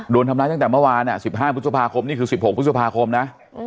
โดนทำร้ายตั้งแต่เมื่อวาน๑๕พฤษภาคมนี่คือ๑๖พฤษภาคมนะ